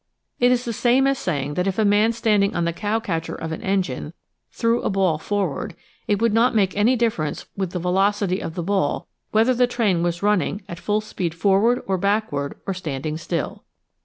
It is the same as saying that if a man standing on the cowcatcher of an engine threw a ball forward, it would not make any difference with the velocity of the ball whether the train was running at full speed forward or backward or standing still.